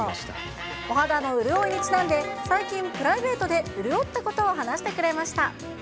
お肌の潤いにちなんで、最近、プライベートで潤ったことを話し